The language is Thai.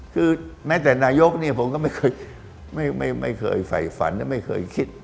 คือแม้แต่นายกนะผมก็ไม่เคยฝันไม่เคยคิด